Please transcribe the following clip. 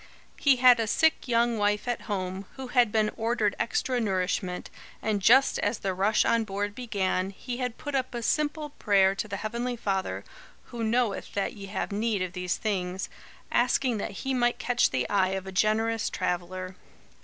He had a sick young wife at home, who had been ordered extra nourishment, and just as the rush on board began, he had put up a simple prayer to the Heavenly Father "who knoweth that ye have need of these things," asking that he might catch the eye of a generous traveller.